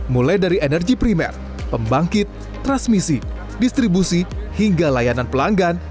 mulai dari energi primer pembangkit transmisi distribusi hingga layanan pelanggan